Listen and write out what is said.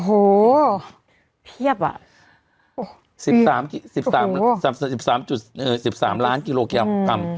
โอ้โหเพียบอ่ะสิบสามสิบสามสิบสามจุดเออสิบสามล้านกิโลกรัม